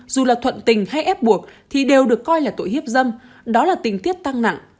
dù là thuận tình hay ép buộc thì đều được coi là tội hiếp dâm đó là tình tiết tăng nặng